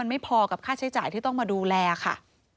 ไม่พอกับค่าใช้จ่ายที่ต้องมาดูแลค่ะ